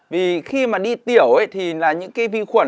vì khi mà đi tiểu thì là những cái vi khuẩn